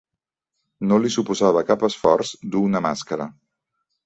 No li suposava cap esforç dur una màscara.